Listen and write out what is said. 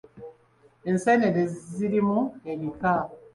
Enseenene zirimu ebika.